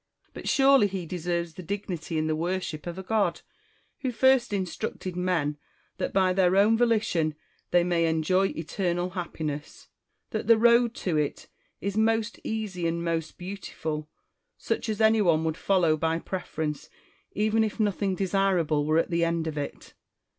But surely he deserves the dignity and the worship of a god, who first instructed men that by their own volition they may enjoy eternal happi ness ; that the road to it is most easy and most beautiful, Buch as any one would follow by preference, even if nothing MARCUS TULLIUS AND QUINCTUS CICERO. 327 desirable were at the end of it.